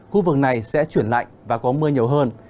khu vực này sẽ chuyển lạnh và có mưa nhiều hơn